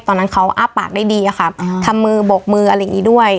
ตอนนั้นเขาอ้าปากได้ดีอะค่ะทำมือบกมืออะไรอย่างนี้ด้วย